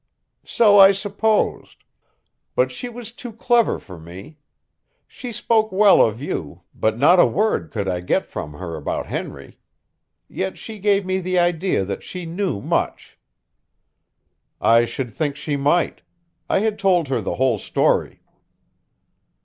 "So I supposed. But she was too clever for me. She spoke well of you, but not a word could I get from her about Henry. Yet she gave me the idea that she knew much." "I should think she might. I had told her the whole story."